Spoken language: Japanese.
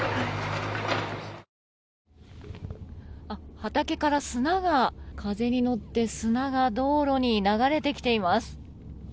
畑から砂が風に乗って砂が道路に流れてきています。